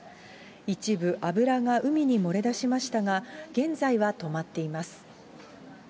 一部油が海に漏れ出しましたが、現在は止まっています。